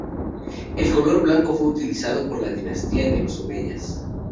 El color blanco fue utilizado por la Dinastía de los Omeyas.